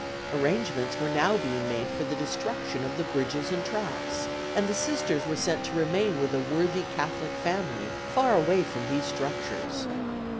Arrangements were now being made for the destruction of the bridges and tracks, and the Sisters were sent to remain with a worthy Catholic family far away from these structures.